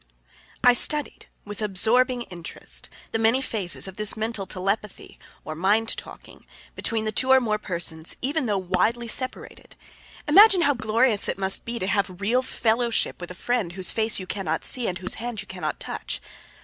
I studied, with absorbing interest, the many phases of this mental telepathy, or mind talking, between two or more persons even though widely separated. Imagine how glorious it must be to have real fellowship with a friend whose face you cannot see and whose hand you cannot touch.